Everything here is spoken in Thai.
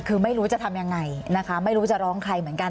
คือไม่รู้จะทำยังไงนะคะไม่รู้จะร้องใครเหมือนกัน